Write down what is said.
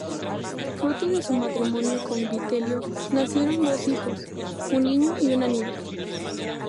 Fruto de su matrimonio con Vitelio nacieron dos hijos, un niño y una niña.